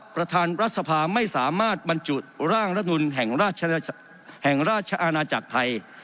ประธานรัฐสภาไม่สามารถบรรจุร่างรัฐนุนแห่งราชอาณาจักรไทย